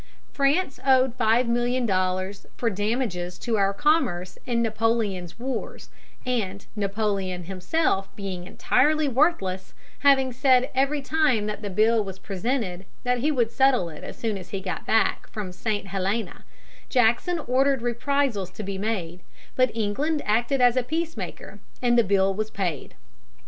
France owed five million dollars for damages to our commerce in Napoleon's wars, and, Napoleon himself being entirely worthless, having said every time that the bill was presented that he would settle it as soon as he got back from St. Helena, Jackson ordered reprisals to be made, but England acted as a peacemaker, and the bill was paid.